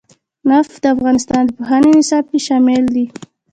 نفت د افغانستان د پوهنې نصاب کې شامل دي.